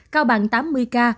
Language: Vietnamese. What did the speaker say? cao bằng tám mươi ca